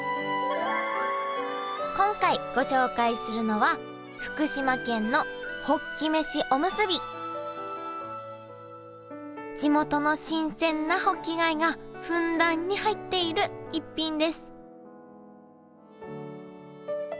今回ご紹介するのは地元の新鮮なホッキ貝がふんだんに入っている逸品です